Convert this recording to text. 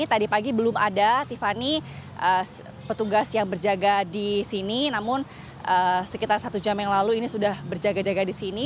tadi pagi belum ada tiffany petugas yang berjaga di sini namun sekitar satu jam yang lalu ini sudah berjaga jaga di sini